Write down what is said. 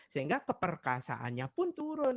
sehingga keperkasaannya pun turun